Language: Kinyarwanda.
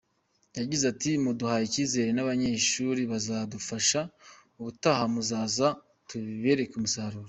Yagize ati :”Muduhaye icyizere n’abanyeshuri bazadufasha, ubutaha muzaza tubereka umusaruro”.